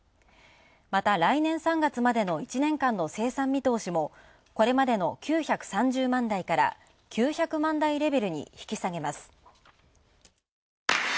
また来年３月までの１年間の生産見通しもこれまでの９３０万台から９００万台レベルに引き下げます。